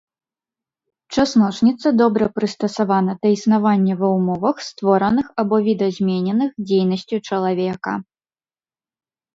Часночніца добра прыстасавана да існавання ва ўмовах, створаных або відазмененых дзейнасцю чалавека.